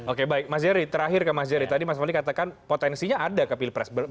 oke baik mas jerry terakhir ke mas jerry tadi mas wali katakan potensinya ada ke pilpres